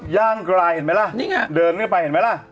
ย่างกลายเห็นไหมล่ะนี่ไงเดินเข้าไปเห็นไหมล่ะ